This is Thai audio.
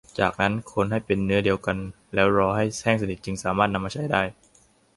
จากนั้นคนให้เป็นเนื้อเดียวกันแล้วรอให้แห้งสนิทจึงสามารถนำมาใช้ได้